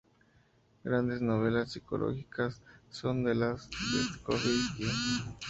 Grandes novelas psicológicas son las de Dostoievski.